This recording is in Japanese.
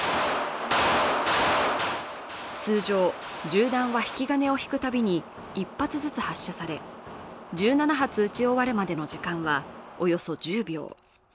通常、銃弾は引き金を引くたびに１発ずつ発射され、１７発撃ち終わるまでの時間はおよそ１０秒。